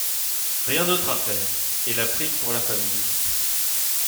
Rien d’autre à faire. Et la prime pour la famille.